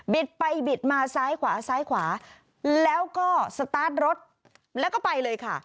ไปบิดมาซ้ายขวาซ้ายขวาแล้วก็สตาร์ทรถแล้วก็ไปเลยค่ะ